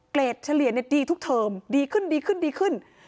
เฉลี่ยดีทุกเทอมดีขึ้นดีขึ้นดีขึ้น